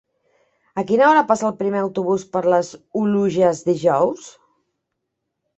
A quina hora passa el primer autobús per les Oluges dijous?